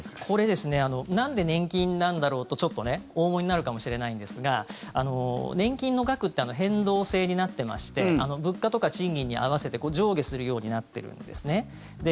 これなんで年金なんだろうとちょっとお思いになるかもしれないですが年金の額って変動制になってまして物価とか賃金に合わせて上下するようになってるんです。